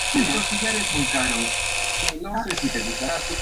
Se encuentra en Madagascar, Mauricio y Reunión.